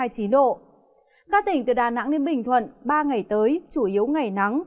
các tỉnh từ đà nẵng đến bình thuận ba ngày tới chủ yếu ngày nắng